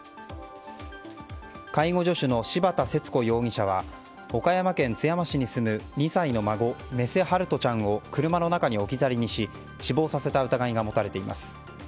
介護助手の柴田節子容疑者は岡山県津山市に住む２歳の孫、目瀬陽翔ちゃんを車の中に置き去りにし死亡させた疑いが持たれています。